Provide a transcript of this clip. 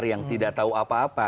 yang tidak tahu apa apa